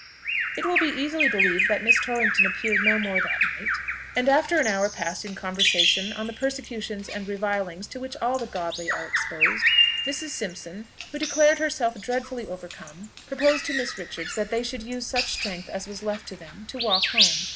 It will be easily believed that Miss Torrington appeared no more that night; and after an hour passed in conversation on the persecutions and revilings to which the godly are exposed, Mrs. Simpson, who declared herself dreadfully overcome, proposed to Miss Richards that they should use such strength as was left them to walk home.